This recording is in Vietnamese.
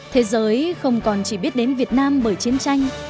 thế giới không còn chỉ biết đến việt nam bởi chiến tranh